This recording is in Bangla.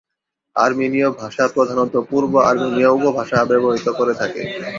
আর্মেনীয় ভাষা প্রধানত পূর্ব আর্মেনীয় উপভাষা ব্যবহৃত করে থাকে।